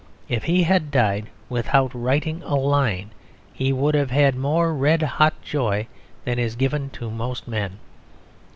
If he had died without writing a line, he would have had more red hot joy than is given to most men.